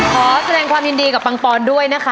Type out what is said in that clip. ขอแสดงความยินดีกับปังปอนด้วยนะคะ